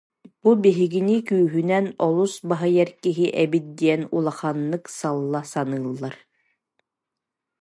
Бу биһигини күүһүнэн олус баһыйар киһи эбит диэн улаханнык салла саныыллар